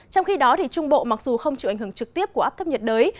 trong khi đó trung bộ mặc dù không chịu ảnh hưởng trực tiếp của áp thấp nhiệt đới